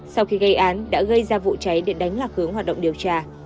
sau khi gây án đã gây ra vụ cháy để đánh lạc hướng hoạt động điều tra